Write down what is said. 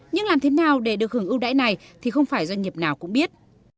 nhưng làm thế nào để được hưởng ưu đãi này thì không phải doanh nghiệp nào cũng biết